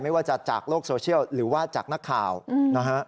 ไม่ว่าจะจากโลกโซเชียลหรือว่าจากนักข่าวนะฮะ